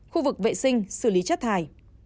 khu vực vệ sinh xử lý chất thải